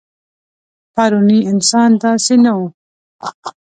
پروني انسان داسې نه و.